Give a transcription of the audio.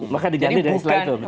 maka diganti dari itu